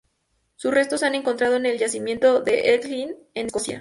Sus restos se han encontrado en el yacimiento de Elgin, en Escocia.